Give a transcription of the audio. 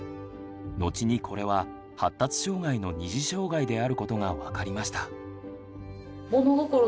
後にこれは発達障害の二次障害であることが分かりました。